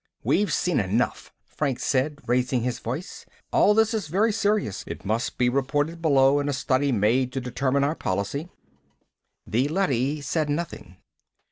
"We've seen enough," Franks said, raising his voice. "All this is very serious. It must be reported below and a study made to determine our policy." The leady said nothing.